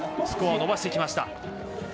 スコアを伸ばしてきました。